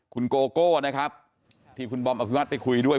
คุณโกโก้นะครับที่คุณบอมอภิวัติไปคุยด้วย